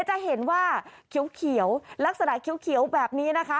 จะเห็นว่าเขียวลักษณะเขียวแบบนี้นะคะ